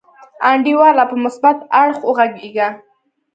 انډیواله په مثبت اړخ وغګیږه.